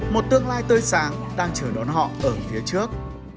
một tương lai tươi sáng đang chờ đón họ ở phía trước